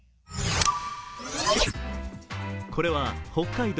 これは北海道